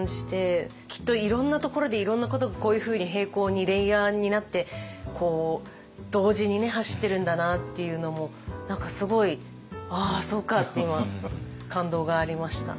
きっといろんなところでいろんなことがこういうふうに並行にレイヤーになって同時に走ってるんだなっていうのも何かすごいああそうかって今感動がありました。